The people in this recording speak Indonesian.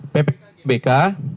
ppk gbk telah mengembangkan